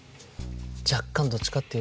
若干どっちかっていうと。